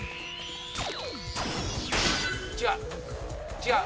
違う。